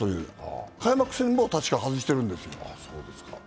開幕戦も、たしか外してるんですよ